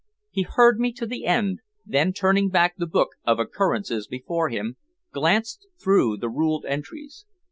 He heard me to the end, then turning back the book of "occurrences" before him, glanced through the ruled entries.